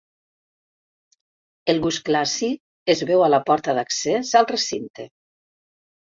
El gust clàssic es veu a la porta d'accés al recinte.